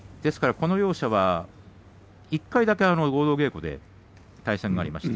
この両者は１回だけ合同稽古で対戦があります。